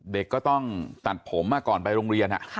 เด็กก็ต้องตัดผมก่อนไปโรงเรียน